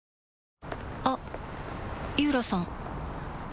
あっ井浦さん